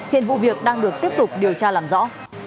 hiện vụ việc đang được tiếp tục điều tra làm rõ